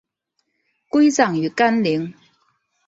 归葬于干陵。